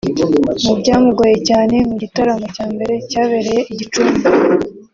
Mu byamugoye cyane mu gitaramo cya mbere cyabereye i Gicumbi